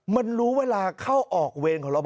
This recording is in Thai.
มันรู้เวลาเข้าออกเวรของเรา